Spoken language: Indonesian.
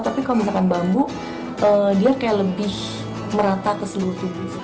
tapi kalau misalkan bambu dia kayak lebih merata ke seluruh tubuh